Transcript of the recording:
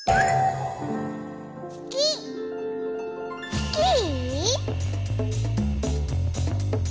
スキー？